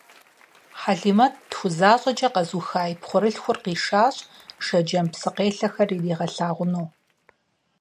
Хьэлимэт «тху» защӀэкӀэ къэзыуха и пхъурылъхур къишащ, Шэджэм псыкъелъэхэр иригъэлъагъуну.